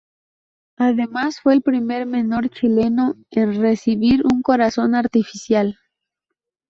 Además fue el primer menor chileno en recibir un corazón artificial.